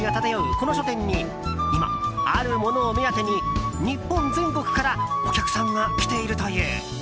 この書店に今、あるものを目当てに日本全国からお客さんが来ているという。